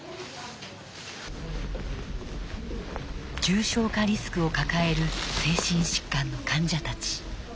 重症化リスクを抱える精神疾患の患者たち。